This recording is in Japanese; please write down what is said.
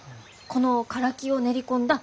このカラキを練り込んだ